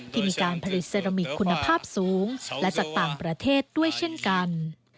ที่มีการผลิตเซรามิกคุณภาพสูงและจากต่างประเทศด้วยเช่นกัน